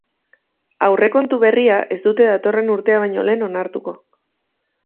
Aurrekontu berria ez dute datorren urtea baino lehen onartuko.